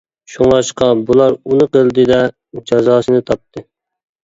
شۇڭلاشقا، بۇلار ئۇنى قىلدى-دە، جازاسىنى تاپتى.